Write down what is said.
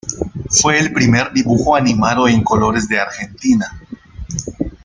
Fue el primer dibujo animado en colores de Argentina.